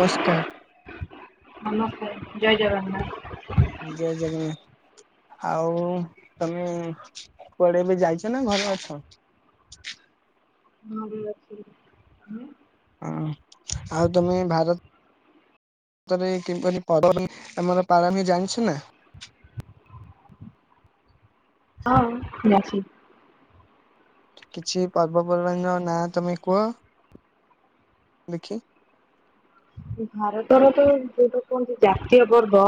ନମସ୍କାର। ନମସ୍କାର ଜୟ ଜଗନ୍ନାଥ। ଜୟ ଜଗନ୍ନ ଆଉ ତମେ କୁଆଡେ ଏ ବି ଯାଇଛ ନା ଘରେ ଅଛ? ଘରେ ଅଛି। ହଁ ଆଉ ତମେ ଭାରତ ରେ କିପରି ପର୍ବ ପାଳନ କରନ୍ତି ଜାଣିଛ ନା? ହଁ ଜାଛି? କିଛି ପର୍ବପର୍ବାଣୀ ର ନାଁ ତମେ କୁହ? ଦେଖି। ଭାରତର ତ ଯୋଉଟା କୁହନ୍ତି ଜାତୀୟ ପର୍ବ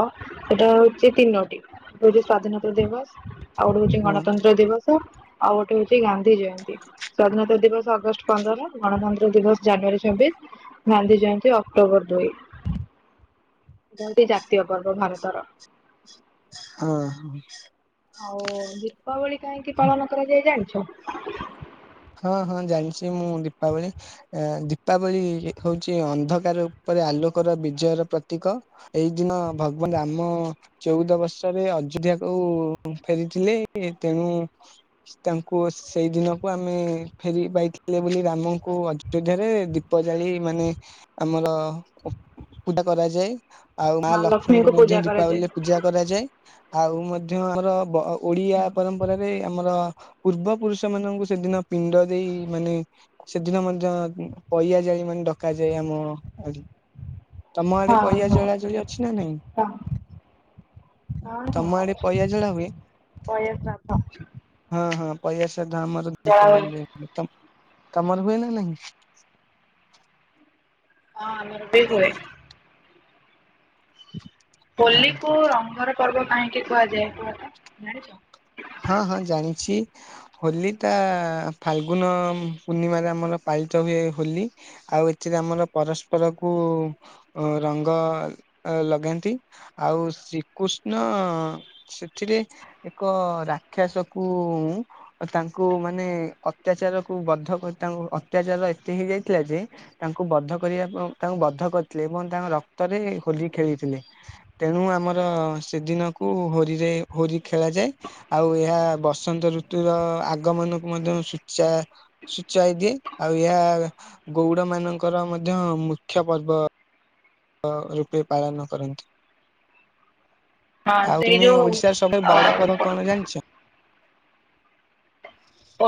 ସେଟା ହଉଛି ତିନୋଟି। ଆଜି ସ୍ୱାଧୀନତା ଦିବସ। ଆଉ ଗୋଟେ ହଉଛି ହଁ ଗଣତନ୍ତ୍ର ଦିବସ ଆଉ ଗୋଟେ ହଉଛି ଗାନ୍ଧୀ ଜୟନ୍ତୀ ସ୍ଵାଧୀନତା ଦିବସ ଅଗଷ୍ଟ ପନ୍ଦର ଗଣତନ୍ତ୍ର ଦିବସ ଜାନୁୟାରୀ ଛବିଶ ଗାନ୍ଧୀ ଜୟନ୍ତୀ ଅକ୍ଟ ଅକ୍ଟୋବର ଦୁଇ ଜାତୀୟ ପର୍ବ ଭାରତର। ହଁ। ଆଉ ଦୀପାବଳି କାହିଁକି ପାଳନ କରାଯାଏ ଜାଣିଛ? ହଁ ହଁ ଜାଣିଛି ମୁଁ ଦୀପାବଳି ଏ ଦୀପାବଳି ହଉଛି ଅନ୍ଧକାର ଉପରେ ଆଲୋକର ବିଜୟ ର ପ୍ରତୀକ ଏଇଦିନ ଭଗବାନ ରାମ ଚଉଦ ବର୍ଷରେ ଅଯୋଧ୍ୟାକୁ ଫେରିଥିଲେ ତେଣୁ ତାଙ୍କୁ ସେଇଦିନକୁ ଆମ ମେ ଫେରି ପାଇଥିଲେ ବୋଲି ରାମଙ୍କୁ ଅଯୋଧ୍ୟାରେ ଦୀପ ଜାଳି ମାନେ ଆମର [unintelligible] କରାଯାଏ। ଆଉ ମା ଲକ୍ଷ୍ମୀଙ୍କୁ ମଧ୍ୟ ଦୀପାବଲିରେ ପୂଜା କରାଯାଏ ଆଉ ମଧ୍ୟ ଆମର ବ ଓଡିଆ ପରମ୍ପରାରେ ଆମର ପୂର୍ବପୁରୁଷମାନଙ୍କୁ ସେଦିନ ପିଣ୍ଡ ଦେଇ ମାନେ ସେଦିନ ମଧ୍ୟ ପଇଆ ଯାଇ ମାନେ ଡକାଯାଏ ଆମ ଆଡ଼େ ତମ ହଁ ଆଡେ ପହିଆ ହଁ ଜଳାଜଳି ଅଛି ନା ନାଇଁ? ହଁ ହଁ ତମ ହ ଆଡେ ଅଛି ପଇଆ ଜଳା ହୁଏ ପଇଆ ଶ୍ରାଦ୍ଧ ଅଛି। ହଁ ହଁ ପାହିଆ ଶ୍ରାଦ୍ଧ ଆମର ବଳି ଦୀପାବଳି ହୁଏ ତମ୍ ତମର ହୁଏ ନା ନାହିଁ? ହଁ ଆମର ବି ହୁଏ। [unintelligible] ହୋଲି କୁ ରଙ୍ଗର ପର୍ବ କାହିଁକି କୁହାଯାଏ କୁହ ତ ଜାଣିଛ? ହଁ ହଁ ଜାଣିଛି। ହୋଲି ଟା ଫାଲଗୁନ ପୂର୍ଣ୍ଣିମାରେ ଆମର ପାଳିତ ହୁଏ ହୋଲି। ଆଉ ଏଥିରେ ଆମର ପରସ୍ପର କୁ ଅ ରଙ୍ଗ ଅ ଲଗାନ୍ତି ଆଉ ଶ୍ରୀକୃଷ୍ଣ ସେଥିରେ ଏକ ରାକ୍ଷସ କୁ ଓ ତାଙ୍କୁ ମାନେ ଅତ୍ୟଚାରକୁ ବଦ୍ଧ କରି ତାଙ୍କୁ ଅତ୍ୟାଚାର ଏତେ ହେଇଯାଇଥିଲା ଯେ ତାଙ୍କୁ ବଦ୍ଧ କରିବା ତାଙ୍କୁ ବଦ୍ଧ କରିଥିଲେ ଏବଂ ତାଙ୍କ ରକ୍ତରେ ହୋଲି ଖେଳିଥିଲେ। ତେଣୁ ଆମର ସେଦିନକୁ ହୋରିରେ ହୋରି ଖେଳ ଯାଏ। ଆଉ ଏହା ବସନ୍ତ ଋତୁର ଆଗମନକୁ ମଧ୍ୟ ସୁୂଚା ସୂଚାଇ ଦିଏ ଆଉ ଏହା ଗଉଡମାନଙ୍କର ମଧ୍ୟ ମୁଖ୍ୟ ପର୍ବ ଅ ରୂପେ ପାଳନ କରନ୍ତି। ହଁ ଆଉ ସେଇ ତୁମେ ଯୋଉ ଓଡିଶାର ସବୁଠୁ ବଡ ଅ ପର୍ବ କଣ ଜାଣିଛ?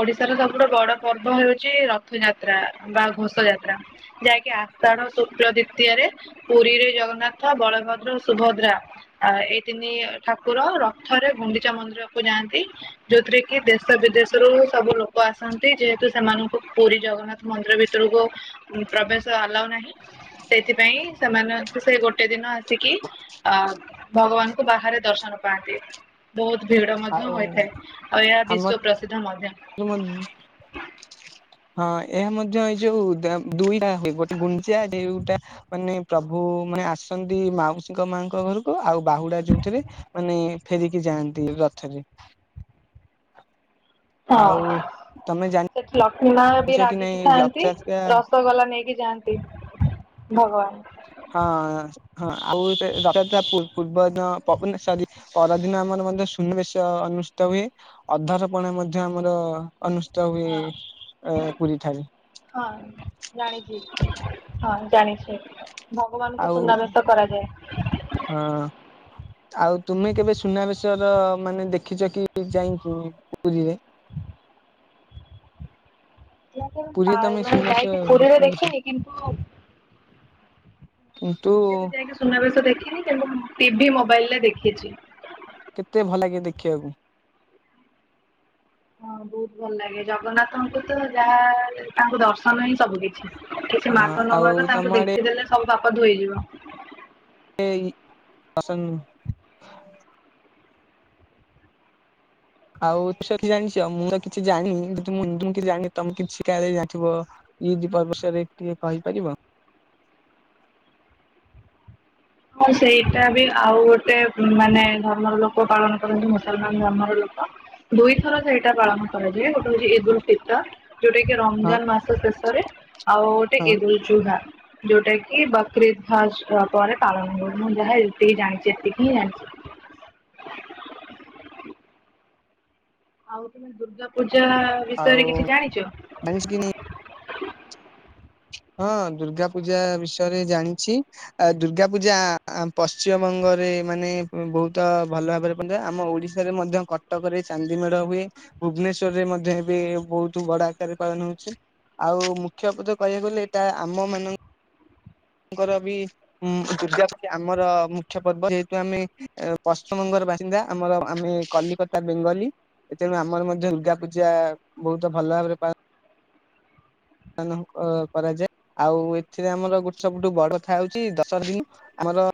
ଓଡିଶାର ସବୁଠୁ ବଡ ପର୍ବ ହେଉଛି ରଥଯାତ୍ରା ବା ଘୋଷ ଯାତ୍ରା। ଯାହାକି ଆଷାଢ ଶୁକ୍ଳ ଦ୍ଵିତୀୟାରେ ପୁରୀରେ ଜଗନ୍ନାଥ, ବଳଭଦ୍ର ଓ ସୁଭଦ୍ରା ଆ ଏଇ ତିନି ଠାକୁର ରଥରେ ଗୁଣ୍ଡିଚା ମନ୍ଦିରକୁ ଯାଆନ୍ତି। ଯୋଉଥିରେ କି ଦେଶ ବିଦେଶ ରୁ ସବୁ ଲୋକ ଆସନ୍ତି ଯେହେତୁ ସେମାନଙ୍କୁ ପୁରୀ ଜଗନ୍ନାଥ ମନ୍ଦିର ଭିତରକୁ ଉଁ ପ୍ରବେଶ ଆଲାଉ ନାହିଁ ସେଇଥିପାଇଁ ସେମାନଙ୍କୁ ସେ ଗୋଟେ ଦିନ ଆସିକି ଅ ଭଗବାନଙ୍କୁ ବାହାରେ ଦର୍ଶନ ପାଆନ୍ତି। ବହୁତ ଭିଡ ମଧ୍ୟ ଆଉ ହୋଇଥାଏ ଆଉ ଏହା ଆମ ବିଶ୍ୱ ପ୍ରସିଦ୍ଧ ମଧ୍ୟ। [unintelligible] ହଁ ଏହା ମଧ୍ୟ ଏଇ ଯୋଉ ଦ ଦୁଇଟା ହୁଏ ଗୋଟେ ଗୁଣ୍ଡିଚା ଆଉ ଗୋଟେ [unintelligible] ମାନେ ପ୍ରଭୁ ମାନେ ଆସନ୍ତି ମାଉସୀଙ୍କ ମାଙ୍କ ଘରକୁ ଆଉ ବାହୁଡା ଯୋଉଥିରେ ମାନେ ଫେରିକି ଯାଆନ୍ତି ରଥରେ। ହଁ ଆଉ ତମେ ଜାଣ ସେଠି ଲକ୍ଷ୍ମୀ ମା ବି ରାଗିକି ଥାଆନ୍ତି ରସ ସଗୋଲା ନେଇକି ଯାଆନ୍ତି ଭଗବାନ। ହଁ ହଁ ହଁ ଆଉ ଗୋଟେ ରଥଯାତ୍ରା ପୂ ପୂର୍ବଦିନ [unintelligible] ସରି ପରଦିନ ଆମର ମଧ୍ୟ ସୁନିବେଶ ଅନୁଷ୍ଠିତ ହୁଏ ଅଧାର ପଣା ମଧ୍ୟ ଆମର ଅନୁଷ୍ଠିତ ହୁଏ ହଁ ଅ ପୁରୀ ଠାରେ। ହଁ ଜାଣିଛି ହଁ ଜାଣିଛି। ଭଗବାନଙ୍କୁ ଆଉ ସୁନାବେଶ କରାଯାଏ। ହଁ। ଆଉ ତୁମେ କେବେ ସୁନାବେଶର ମାନେ ଦେଖିଛ କି ଯାଇକି ପୁରୀରେ? ପୁରୀ ତମେ ମାନେ ସୁନାସ ଯାଇକି ପୁରୀରେ ଦେଖିବାଛ ଦେଖିନି କିନ୍ତୁ କିନ୍ତୁ କେବେ ଯାଇକି ସୁନାବେଶ ଦେଖିନି କିନ୍ତୁ ଟିଭି ମୋବାଇଲରେ ଦେଖିଛି। କେତେ ଭଲ ଲାଗେ ଦେଖିବାକୁ? ହଁ ବହୁତ ଭଲ ଲାଗେ ଜଗନ୍ନାଥଙ୍କୁ ତ ଯାହା ତାଙ୍କ ଦର୍ଶନ ହିଁ ସବୁ କିଛି।। ଅ କିଛି ମାଗ ନ ଆଉ ମାଗ ତମ ତାଙ୍କୁ ଦେଖିଦେଲେ ସବୁ ବାପ ଧୋଇଯିବ। ହେଇ [unintelligible] ଆଉ ଯି ଜାଣିଛ ମୁଁ ତ କିଛି ଜାଣିନି ଯଦି ମୁଁ ତ କିଛି ଜାଣିି ତମେ କିଛି ଶା ଜାଥିବ? ଇଦ୍ ପର୍ବଷରେ କିଏ କହିପାରିବ? ହଁ ସେଇଟା ବି ଆଉ ଗୋଟେ ମାନେ ଧର୍ମର ଲୋକ ପାଳନ କରନ୍ତି ମୁସଲମାନ ଧର୍ମର ଲୋକ। ଦୁଇଥର ସେଇଟା ପାଳନ କରାଯାଏ ଗୋଟେ ହଉଛି ଇଦ୍ଦୁଲ୍ ଫେତଲ୍। ଯୋଉଟା କି ହଁ ରମଜାନ ମାସ ଶେଷରେ ଆଉ ଗୋଟେ ହଁ ଇଦୁଲୁ ଚୁହା ଯୋଉଟା କି ବକ୍ରିଦ୍ ଫାଷ୍ଟ୍ ପରେ ପାଳଙ୍ଗ ମୁଁ ଯାହା ଏତିକି ଜାଣିଛି ଏତିକି ହିଁ ଜାଣିଛି। ଆଉ ତମେ ଦୁର୍ଗା ପୂଜା ଆଉ ବିଷୟରେ କିଛି ଜାଣିଚ? [unintelligible] ହଁ ଦୁର୍ଗା ପୂଜା ବିଷୟରେ ଜାଣିଛି। ଆ ଦୁର୍ଗା ପୂଜା ପଶ୍ଚିମବଙ୍ଗରେ ମାନେ ବହୁତ ଭଲ ଭାବରେ ପୂଜା ଆମ ଓଡିଶ ରେ ମଧ୍ୟ କଟକରେ ଚାନ୍ଦି ମେଢ ହୁଏ। ଭୁବନେଶ୍ଵରରେ ମଧ୍ୟ ଏବେ ବହୁତ ବଡ ଆକାରରେ ପାଳନ ହଉଛି ଆଉ ମୁଖ୍ୟ ତ ଯୋଉ କହିବାକୁଗଲେ ଏଇଟା ଆମ ମାନଙ୍କ ଙ୍କର ବି ଉଁ ପୂଜାଛି ଆମର ମୁଖ୍ୟ ପର୍ବ ଯେହେତୁ ଆମେ ପଶ୍ଚିମବଙ୍ଗର ବାସିନ୍ଦା ଆମର ଆମେ କଲିକତା ବେଙ୍ଗଲୀ ତେଣୁ ଆମର ମଧ୍ୟ ଦୁର୍ଗା ପୂଜା ବହୁତ ଭଲ ଭାବରେ ପାଳନ ପାଳନ ଅ କରାଯାଏ। ଆଉ ଏଥିରେ ଆମର ଗୋଟେ ସବୁଠୁ ବଡ କଥା ହଉଛି ଦଶ ଦିନ ଆମର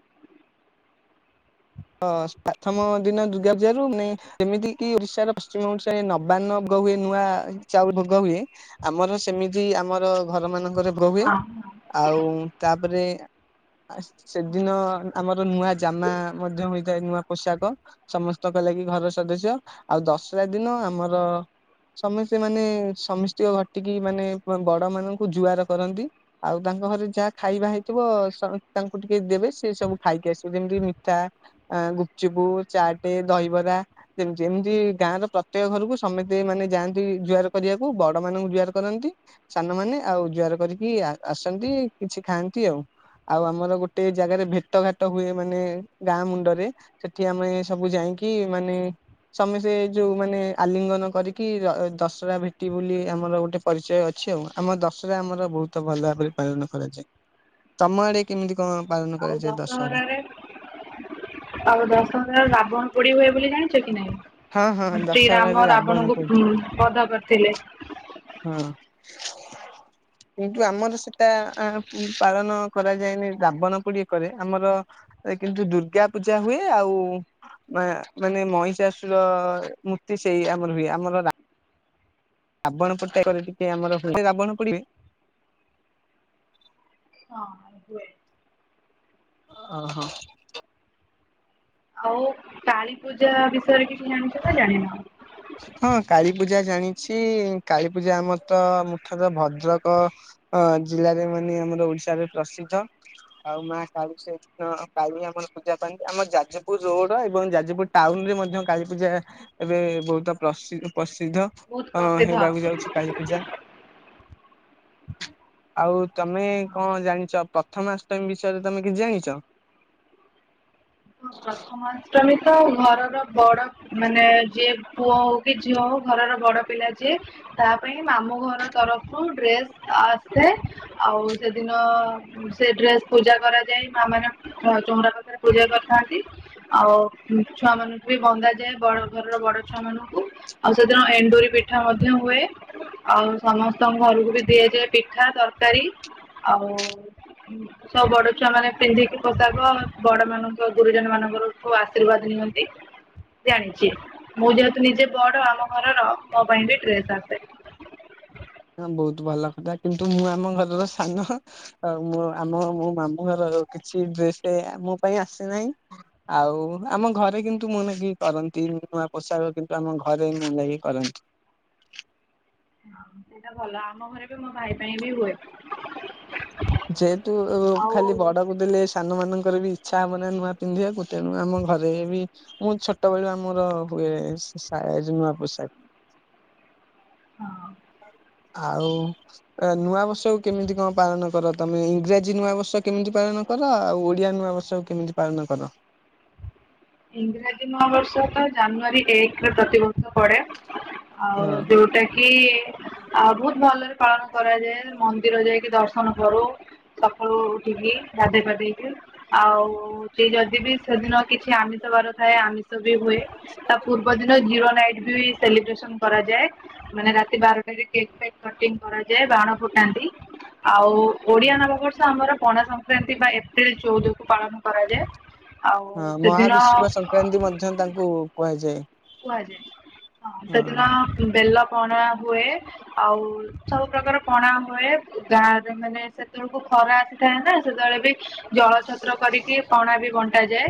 ହଁ ପ୍ରଥମ ଦିନ ଦୁର୍ଗା ପୂଜାରୁ ଯେମିତି କିି ଓଡ଼ିଶାର ପଶ୍ଚିମ ଓଡ଼ିଶାରେ ନ ବାନ ଗହୁଏ ନୂଆ ଚାଉଳ ଗ ହଏ ଆମର ସେମିତି ଆମର ଘର ମାନଙ୍କରେ ଭୋଗ ହୁଏ। ହଁ ଆଉ ତାପରେ ସେଦିନ ଆମର ନୂଆ ଜାମା ମଧ୍ୟ ହୋଇଥାଏ ନୂଆ ପୋଷାକ। ସମସ୍ତଙ୍କ ଲାଗି ଘର ସଦସ୍ୟ ଆଉ ଦଶରା ଦିନ ଆମର ସମସ୍ତେ ମାନେ ସମସ୍ତ ଘଟିକି ମାନେ ବଡ ମାନଙ୍କୁ ଜୁଆର କରନ୍ତି। ଆଉ ତାଙ୍କ ଘରେ ଯାହା ଖାଇବା ହେଇଥିବ ତାଙ୍କୁ ସ ଟିକେ ଦେବେ ସେି ସବୁ ଖାଇକି ଆସିବେ ଯେମିତି ଚା ଆ ଗୁପୁ ଚୁପୁ ଚାଟେ ଦହିବରା। ତି ଯେମିତି ଗାଁର ପ୍ରତ୍ୟେକ ଘରକୁ ସମସ୍ତେ ମାନେ ଯାଆନ୍ତି ଜୁଆର କରିବାକୁ ବଡ ମାନଙ୍କୁ ଜୁଆର କରନ୍ତି। ସାନମାନେ ଆଉ ଜୁଆର କରିକି ଆସନ୍ତି କିଛି ଖାଆନ୍ତି ଆଉ। ଆଉ ଆମର ଗୋଟେ ଜାଗାରେ ଭେଟଘାତ ହୁଏ ମାନେ ଗାଁ ମୁଣ୍ଡରେ ସେଠି ଆମେ ସବୁ ଯାଇକି ମାନେ ସମେ ସେ ଯୋଉ ମାନେ ଆଲିଙ୍ଗନ କରିକି ଦଶହରା ଭେଟି ବୋଲି ଆମର ଗୋଟେ ପରିଚୟ ଅଛି ଆଉ ଆମ ଦଶହରା ଆମର ବହୁତ ଭଲ ଭାବରେ ପାଳନ କରାଯାଏ। ତମ ଆଡେ କେମିତି କଣ ପାଳନ ଆଉ କରାଯାଏ ଦଶହରା? ଦଶହରାରେ ଆଉ ଦଶହରା ରେ ରାବଣ ପୋଡି ହୁଏ ବୋଲି ଜାଣିଛ କି ନାହିଁ? ହଁ ହଁ ଦଶହରାରେ ଶ୍ରୀରାମ ରାବଣ ପୋଡି ରାବଣଙ୍କୁ ବର୍ଦ୍ଧ କରିଥିଲେ। ହୁଁ। କିନ୍ତୁ ଆମର ସେଟା ପାଳନ କରାଯାଏନି ରାବଣ ପୋଡି କରେ ଆମର କିନ୍ତୁ ଦୁର୍ଗା ପୂଜା ହୁଏ ଆଉ ମାନେ ମଇଷାଶୁର ମୂର୍ତ୍ତି ସେଇ ଆମର ହୁଏ ଆମର ରାବଣ ପୋଡି ଟା ଏକରେ ଟିକେ ଆମରଣ ପୋଡିବେ ହଁ ହୁଏ। ଓହୋ। ଆଉ କାଳୀ ପୂଜା ବିଷୟରେ କିଛି ଜାଣି [unintelligible] ହଁ କାଳୀପୂଜା ଜାଣିଛି କାଳୀପୂଜା ଆମର ତ ମୁଠାରେ ଭଦ୍ରକ ହ ଜିଲ୍ଲାରେ ମାନେ ଆମର ଓଡିଶାରେ ପ୍ରସିଦ୍ଧ। ଆଉ ମା କାଳି ସେ କାଳି ଆମର ପୂଜା ପାଆନ୍ତି, ଆମର ଯାଜପୁର ରୋଡ ଏବଂ ଯାଜପୁର ଟାଉନରେ ମଧ୍ୟ କାଳୀପୂଜା ଏବେ ବହୁତ ପ୍ରସି-ପ୍ରସିଦ୍ଧ ବହୁତ ଅ ହେବାକୁ ପ୍ରସିଦ୍ଧ। ଯାଉଛି। କାଳୀପୂଜା। ଆଉ ତମେ କଣ ଜାଣିଚ ପ୍ରଥମାଷ୍ଟମୀ ବିଷୟରେ ତମେ କିଛି ଜାଣିଚ? ହଁ ପ୍ରଥମାଷ୍ଟମୀ ତ ଘରର ବଡ ମାନେ ଯିଏ ପୁଅ ହଉ କି ଝିଅ ହଉ ଘରର ବଡ ପିଲା ଯିଏ ତା ପାଇଁ ମାମୁଁ ଘର ତରଫରୁ ଡ୍ରେସ ଆସେ। ଆଉ ସେଦିନ ସେ ଡ୍ରେସ ପୂଜା କରାଯାଏ ମା ମାନଙ୍କ ଆଁ ଚଉଁରା ପାଖରେ ପୂଜା କର ଥାନ୍ତି ଆଉ ଛୁଆ ମାନଙ୍କୁ ବି ବନ୍ଦା ଯାଏ ବଡ ଘରର ବଡ ଛୁଆ ମାନଙ୍କୁ। ଆଉ ସେଦିନ ଏଣ୍ଡୁରି ପିଠା ମଧ୍ୟ ହୁଏ। ଆଉ ସମସ୍ତଙ୍କ ଘରକୁ ବି ଦିଆଯାଏ ପିଠା ତରକାରୀ, ଆଉ ସବୁ ବଡଛୁଆ ମାନେ ପିନ୍ଧିକି ପୋଷାକ ବଡ ମାନଙ୍କୁ ଓ ଗୁରୁଜନ ମାନଙ୍କରଠୁ ଆଶୀର୍ବାଦ ନିଅନ୍ତି। ଜାଣିଚି, ମୁଁ ଯେହେତୁ ନିଜେ ବଡ ଆମ ଘରର ମୋ ପାଇଁ ବି ଡ୍ରେସ୍ ଆସେ। ହଁ ବହୁତ ଭଲ କଥା କିନ୍ତୁ ମୁଁ ଆମ ଘରର ସାନ। ଆଉ ମୁଁ ଆମ ମୋ ମାମୁଁ ଘରର କିଛି ଡ୍ରେସେ ମୋ ପାଇଁ ଆସିନାହିଁ। ଆଉ ଆମ ଘରେ କିନ୍ତୁ ମୁଁ ନାଗି କରନ୍ତି ନୂଆ ପୋଷାକ କିନ୍ତୁ ଆମ ଘରେ ମୁଁ ନାଗି କରନ୍ତି। ଆଉ ସେଇଟା ଭଲ, ଆମ ଘରେ ବି ମୋ ଭାଇ ପାଇଁ ବି ହୁଏ। ଯେହେତୁ ଆଉ ଖାଲି ବଡକୁ ଦେଲେ ଏସ ସାନମାନଙ୍କର ବି ଇଚ୍ଛା ହବ ନା ନୂଆ ପିନ୍ଧିଆକୁ, ତେଣୁ ଆମ ଘରେ ବି ମୁଁ ଛୋଟବେଳୁ ଆମର ହୁଏ ସା ସାଏଜ ନୂଆ ପୋଷାକ। ହଁ ଆଉ ନୂଆବର୍ଷକୁ କେମିତି କଣ ପାଳନ କର? ତମେ ଇଂରାଜୀ ନୂଆବର୍ଷ କେମିତି ପାଳନ କର, ଆଉ ଓଡ଼ିଆ ନୂଆବର୍ଷକୁ କେମିତି ପାଳନ କର? ଇଂରାଜୀ ନୂଆବର୍ଷ ତ ଜାନୁଆରୀ ଏକରେ ପ୍ରତିବର୍ଷ ପଡ଼େ। ଆଉ ହଁ। ଯୋଉଟା କି ଆଉ ବହୁତ ଭଲରେ ପାଳନ କରାଯାଏ, ମନ୍ଦିର ଯାଇକି ଦର୍ଶନ କରୁ। ସଖାଳୁ ଉଠିକି ଗାଧେଇ ପାଧେଇକି ଆଉ ସେ ଯଦି ବି ସେଦିନ କିଛି ଆମିଷ ବାର ଥାଏ ଆମିଷ ବି ହୁଏ, ତା ପୂର୍ବ ଦିନ ଜି ରୋ ନାଇଟ ବି ସେଲିବ୍ରେସନ କରାଯାଏ, ମାନେ ରାତି ବାରଟାରେ କେକ୍ ଫେକ୍ କଟିଙ୍ଗ୍ କରାଯାଏ ବାଣ ଫୁଟାନ୍ତି, ଆଉ ଓଡିଆ ନବବର୍ଷ ଆମର ପଣା ସଂକ୍ରାନ୍ତି ବା ଏପ୍ରିଲ ଚଉଦକୁ ପାଳନ କରାଯାଏ। ଆଉ ହଁ ସେଦିନ ମହାବିଷୁବ ସଂକ୍ରାନ୍ତି ମଧ୍ୟ ତାଙ୍କୁ କୁହାଯାଏ। କୁହାଯାଏ ହଁ ସେଦିନ ବେଲପଣା ହୁଏ, ଆଉ ସବୁ ପ୍ରକାର ପଣା ହୁଏ, ଗାଁରେ ମାନେ ସେତେବେଳକୁ ଖରା ଆସିଥାଏ ନା ସେତେବେଳେ ବି ଜଳଛତ୍ର କରିକି ପଣା ବି ବଣ୍ଟାାଯାଏ,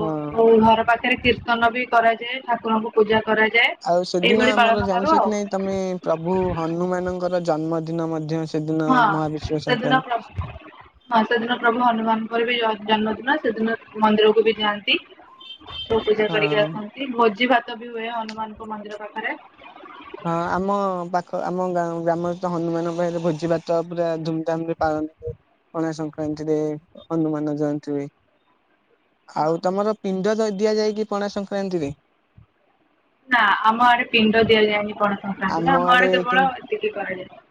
ହଁ। ଘର ପା ଖରେ କୀର୍ତ୍ତନ ବି କରାଯାଏ ଠାକୁରଙ୍କୁ ପୂଜା କରାଯାଏ, ଆଉ ସେଦିନ ଏଇଭଳି ଆମର ପାଳନ କରୁ ଜାଣିଛ କି ଆଉ। ନାଇଁ ତମେ ପ୍ରଭୁ ହନୁମାନଙ୍କର ଜନ୍ମଦିନ ମଧ୍ୟ ସେଦିନ ହଁ ମହାବିଷୁବ ସେଦିନ ସଂକ୍ରାନ୍ତି। ପ୍ରଭୁ ହଁ ସେଦିନ ପ୍ରଭୁ ହନୁମାନଙ୍କର ବି ଜ-ଜନ୍ମଦିନ ସେଦିନ ମନ୍ଦିରକୁ ବି ଯାଆନ୍ତି। ସବୁ ପୂଜା ହଁ କରିକି ଆସନ୍ତି ଭୋଜିଭାତ ବି ହୁଏ ହନୁମାନଙ୍କ ମନ୍ଦିର ପାଖରେ। ହଁ ଆମ ପାଖ ଆମ ଗା ଗ୍ରାମରେ ତ ହନୁମାନ ପାଖେରେ ଭୋଜିଭାତ ପୁରା ଧୁମଧାମ୍ ରେ ପାଳନ୍ତି। ପଣା ସଂକ୍ରାନ୍ତିରେ ହନୁମାନ ଜୟନ୍ତୀ ହୁଏ। ଆଉ ତମର ପିଣ୍ଡ ଦ-ଦିଆଯାଏ କି ପଣା ସଂକ୍ରାନ୍ତିରେ? ନା ଆମ ଆଡେ ପିଣ୍ଡ ଦିଆଯାଏନି ପଣା ସଂକ୍ରାନ୍ତିରେ, ଆମ ଆଡେ କେବଳ ଏତିକି କରାଯାଏ।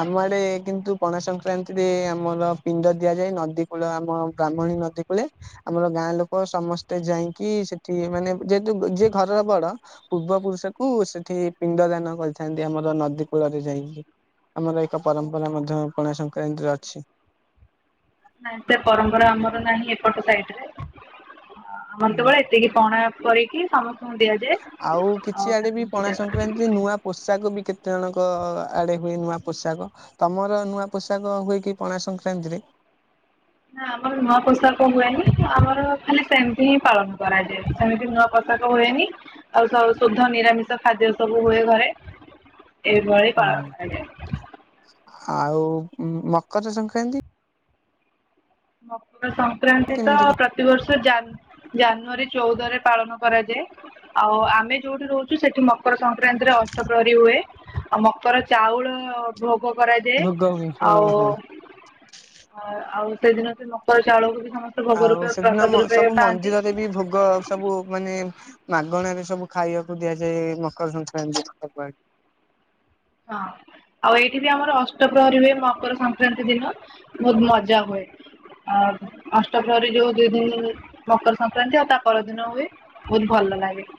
ଆମ ଆଡେ କିନ୍ତୁ ପଣା ସଂକ୍ରାନ୍ତିରେ ଆମର ପିଣ୍ଡ ଦିଆଯାଏ, ନଦୀ କୂଳ ଆମ ବ୍ରାହ୍ମଣୀ ନଦୀ କୂଳେ ଆମର ଗାଁ ଲୋକ ସମସ୍ତେ ଯାଇଁକି ସେଠି ମାନେ ଯେହେତୁ ଯିଏ ଘରର ବଡ ପୂର୍ବପୁରୁଷ କୁ ସେଠି ପିଣ୍ଡ ଦାନ କରିଥାନ୍ତି ଆମର ନଦୀ କୂଳରେ ଯାଇଁକି। ଆମର ଏକ ପରମ୍ପରା ମଧ୍ୟ ପଣା ସଂକ୍ରାନ୍ତିରେ ଅଛି। ନାଇ ସେ ପରମ୍ପରା ଆମର ନାହିଁ ଏପଟ ସାଇଟରେ ଆମର ତ କେବଳ ଏ ସେତିକି ପଣା କରିକି ସମସ୍ତ ଆଉ କିଛି ଆଡେ ବି ପଣା ପୂଜା କରାଯାଏ। ସଂକ୍ରାନ୍ତି ନୂଆ ପୋଷାକ ବି କେତେଜଣଙ୍କ ଆଡ଼େ ହୁଏ ନୂଆ ପୋଷାକ। ତମର ନୂଆ ପୋଷାକ ହୁଏ କି ପଣା ସଂକ୍ରାନ୍ତିରେ? ନା ଆମର ନୂଆ ପୋଷାକ ହୁଏନି ଆମର ଖାଲି ସେମିତି ହିଁ ପାଳନ କରାଯାଏ ସେମିତି ନୂଆ ପୋଷା ପୋଷାକ ହୁଏନି ଆଉ ଶ ଶୁଦ୍ଧ ନିରାମିଷ ଖାଦ୍ୟ ସବୁ ହୁଏ ଘରେ। ଏଇଭଳି ହଁ। ପାଳନ ଆଜ୍ଞା। ଆଉ ମକର ସଂକ୍ରାନ୍ତି? ମକର ସଂକ୍ରାନ୍ତି ତ କେମିତି ପ୍ରତିବର୍ଷ ଜାନ ଜାନୁଆରୀ ଚଉଦରେ ପାଳନ କରାଯାଏ। ଆଉ ଆମେ ଯୋଉଠି ରହୁଚୁ ସେଠି ମକର ସଂକ୍ରାନ୍ତିରେ ଅଷ୍ଟପ୍ରହରୀ ହୁଏ। ଆଉ ମକର ଚାଉଳ ଭୋଗ କରାଯାଏ ଭୋଗ ହୁଏ ହଁ ଆଉ ହଁ। ଆ ଆଉ ସେଦିନ ସେ ମକର ଚାଉଳକୁ ବି ସମସ୍ତେ ଭୋଗ ଆଉ ରୂପେ ସେଦିନ ପ୍ରସାଦ ମ ରୂପେ ସବୁ ପାଆନ୍ତି। ମନ୍ଦିରରେ ବି ଭୋଗ ସବୁ ମାନେ ମାଗଣାରେ ସବୁ ଖାଇଆକୁ ଦିଆଯାଏ ମକର ସଂକ୍ରାନ୍ତି ଦିନ ହଁ ଆଉ ଏଇଠି ବି ଆମର ଅଷ୍ଟପ୍ରହରୀ ହୁଏ ମକର ସଂକ୍ରାନ୍ତି ଦିନ। ବହୁତ ମଜା ହୁଏ। ଆଉ ଅଷ୍ଟ ପ୍ରହରୀ ଯୋଉ ଦି ଦିନ ମକର ସଂକ୍ରାନ୍ତି ଆଉ ତା ପରଦିନ ହୁଏ। ବହୁତ ଭଲ ଲାଗେ।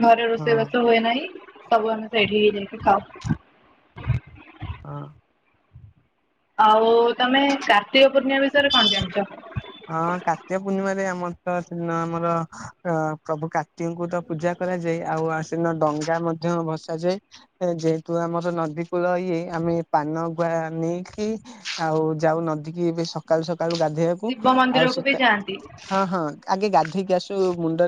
ଘରେ ହଁ ରୋଷେଇବାସ ହୁଏ ନାହିଁ ସବୁ ଆମେ ସେଇଠି ଯାଇକି ଖାଉ। ହଁ ଆଉ ତମେ କାର୍ତ୍ତିକ ପୂର୍ଣ୍ଣିମା ବିଷୟରେ କଣ ଜାଣିଛ? ହଁ କାର୍ତ୍ତିକ ପୂର୍ଣ୍ଣିମାରେରେ ଆମର ତ ଆମର ଅ ପ୍ରଭୁ କାର୍ତ୍ତିକଙ୍କୁ ତ ପୂଜା କରାଯାଏ ଆଉ ଆସିଦିନ ଡଙ୍ଗା ମଧ୍ୟ ଭସାଯାଏ। ଯେହେତୁ ଆମର ନଦୀ କୂଳ ଇଏ ଆମେ ପାନ ଗୁଆ ନେଇକି ଆଉ ଯାଉ ନଦୀ କିି ଏବେ ସକାଳୁ ସକାଳୁ ଗାଧୋଇବା ଶିବ ମନ୍ଦିରକୁ ବି ଯାଆନ୍ତି। ହଁ ହଁ ଆଗେ ଗାଧୋଇକି ଆସୁ ମୁଣ୍ଡରେ